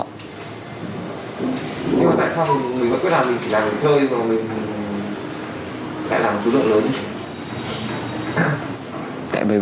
nhưng mà tại sao mình vẫn cứ làm mình chỉ làm để chơi mà mình